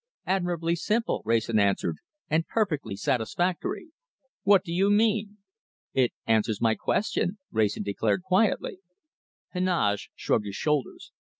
"Admirably simple," Wrayson answered, "and perfectly satisfactory." "What do you mean?" "It answers my question," Wrayson declared quietly. Heneage shrugged his shoulders.